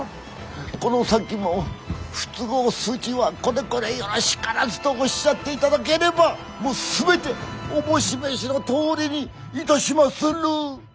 この先も不都合筋は「これこれよろしからず」とおっしゃっていただければもう全て思し召しのとおりにいたしまする。